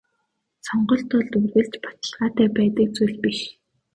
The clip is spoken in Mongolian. Сонголт бол үргэлж баталгаатай байдаг зүйл биш.